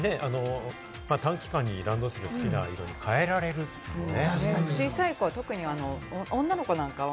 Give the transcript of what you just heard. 短期間にランドセル、好きなものに変えられるというね。